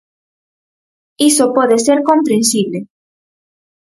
Iso pode ser comprensible.